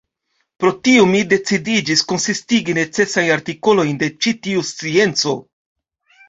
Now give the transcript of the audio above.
Pro tio mi decidiĝis konsistigi necesajn artikolojn de ĉi tiu scienco.